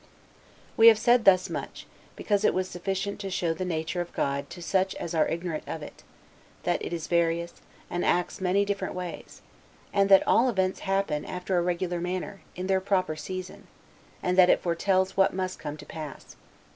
3. We have said thus much, because it was sufficient to show the nature of God to such as are ignorant of it, that it is various, and acts many different ways, and that all events happen after a regular manner, in their proper season, and that it foretells what must come to pass.